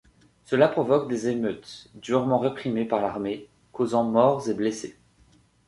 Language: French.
Cela provoque des émeutes, durement réprimées par l'armée, causant morts et blessés.